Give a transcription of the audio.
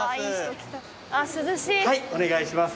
はいお願いします。